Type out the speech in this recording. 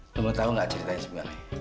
lu tau gak ceritanya sebenernya